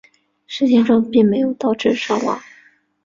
事件中没有导致伤亡。